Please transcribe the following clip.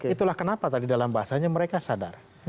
itulah kenapa tadi dalam bahasanya mereka sadar